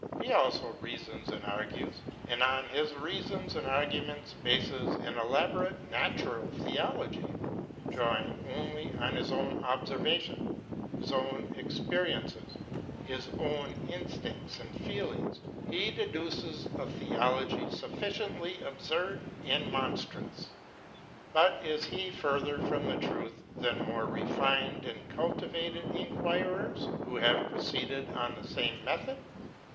He also reasons and argues, and on his reasons and arguments bases an elaborate natural theology. Drawing only on his own observation, his own experiences, his own instincts and feelings, he deduces a theology sufficiently absurd and mon strous ; but is he further from the truth than more refined and cultivated inquirers who have proceeded on the same method